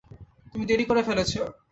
তুমি দেরী করে ফেলেছো।